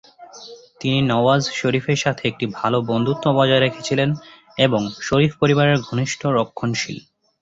তিনি নওয়াজ শরীফের সাথে একটি ভাল বন্ধুত্ব বজায় রেখেছিলেন এবং শরীফ পরিবারের ঘনিষ্ঠ রক্ষণশীল।